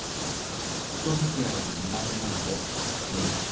人づきあいが苦手なので無理だけど。